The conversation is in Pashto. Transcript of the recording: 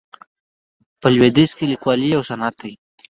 په لویدیځ کې لیکوالي یو صنعت دی.